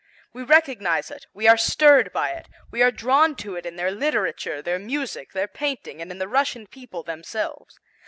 We recognise it, we are stirred by it, we are drawn to it in their literature, their music, their painting and in the Russian people themselves.